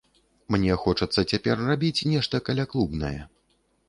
Мне хочацца цяпер рабіць нешта каляклубнае.